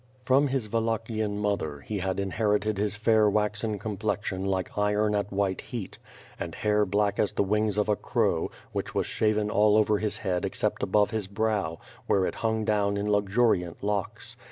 From his Wallachian mother, he had inheritea his fair waxen complexion like iron at white heat; and hair black as the wings of a crow, which was shaven all over his head except above his brow, where it hung down in luxuriant locks.